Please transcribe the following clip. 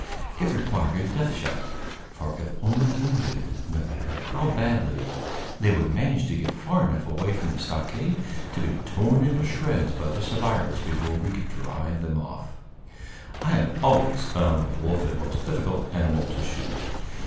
It required a death shot; for, if only wounded, no matter how badly, they would manage to get far enough away from the stockade to be torn into shreds by the survivors before we could drive them off. I have always found the wolf a most difficult animal to shoot.